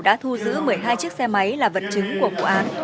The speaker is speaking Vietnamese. đã thu giữ một mươi hai chiếc xe máy là vật chứng của vụ án